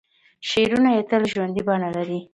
شعرونه یې تل ژوندۍ بڼه لري.